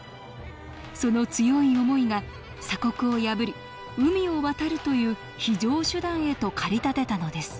その強い思いが鎖国を破り海を渡るという非常手段へと駆り立てたのです